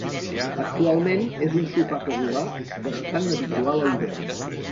Actualment és un sopar casolà bastant habitual a l'hivern.